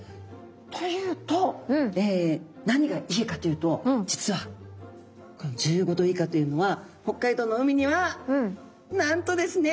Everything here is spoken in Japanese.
というと何がいいかというと実はこの１５度以下というのは北海道の海にはなんとですね。